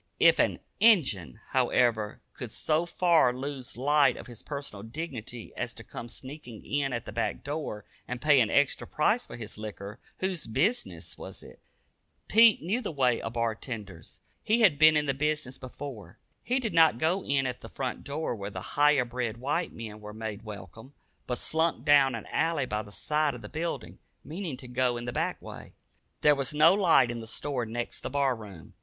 If an "Injun," however, could so far lose sight of his personal dignity as to come sneaking in at the back door, and pay an extra price for his liquor, whose business was it? Pete knew the way of bar tenders. He had been in the business before. He did not go in at the front door where the higher bred white men were made welcome, but slunk down an alley by the side of the building, meaning to go in the back way. There was no light in the store next the bar room.